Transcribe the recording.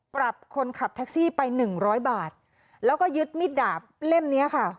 ปรับคนขับแท็กซี่ไป๑๐๐บาทแล้วก็ยึดมิดดาบเล่มเนี้ยค่ะ